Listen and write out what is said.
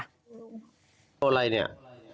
ไม่รู้อะไรเนี่ย